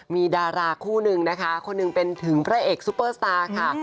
มีดาราคู่นึงนะคะคนหนึ่งเป็นถึงพระเอกซุปเปอร์สตาร์ค่ะ